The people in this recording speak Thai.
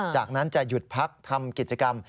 จากนั้นจะหยุดพักทำกิจกรรม